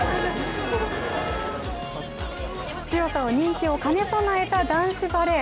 強さと人気を兼ね備えた男子バレー。